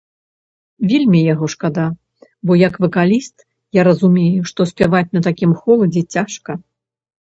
Вельмі яго шкада, бо як вакаліст, я разумею, што спяваць на такім холадзе цяжка.